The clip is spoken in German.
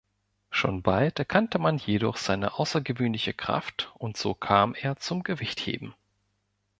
Schon bald erkannte man jedoch seine außergewöhnliche Kraft und so kam er zum Gewichtheben.